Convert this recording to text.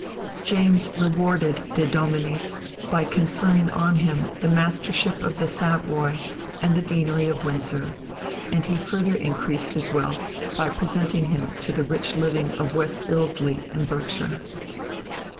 James rewarded De Dominis by conferring on him the Mastership of the Savoy and the Deanery of Windsor, and he further increased his wealth by presenting himself to the rich living of West Ilsley, in Berkshire.